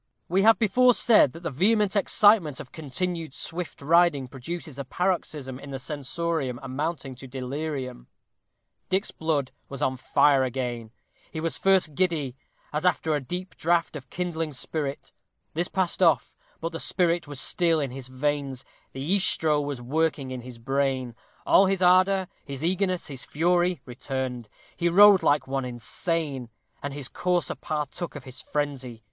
We have before said that the vehement excitement of continued swift riding produces a paroxysm in the sensorium amounting to delirium. Dick's blood was again on fire. He was first giddy, as after a deep draught of kindling spirit; this passed off, but the spirit was still in his veins the estro was working in his brain. All his ardor, his eagerness, his fury, returned. He rode like one insane, and his courser partook of his frenzy.